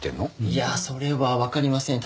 いやそれはわかりません。